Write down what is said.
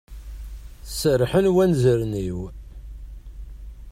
Serrḥen wanzaren-iw.